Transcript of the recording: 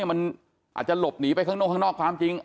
มันอาจจะหลบหนีไปข้างนอกข้างนอกความจริง